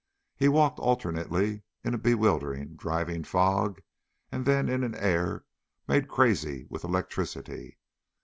He walked alternately in a bewildering, driving fog and then in an air made crazy with electricity.